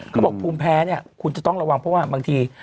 ภูมิแพ้เนี่ยคุณจะต้องระวังเพราะว่าบางที